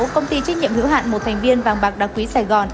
công ty trách nhiệm hữu hạn một thành viên vàng bạc đa quý sài gòn